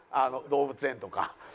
動物園とか？